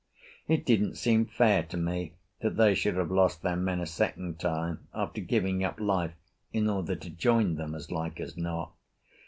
It didn't seem fair to me that they should have lost their men a second time, after giving up life in order to join them, as like as not.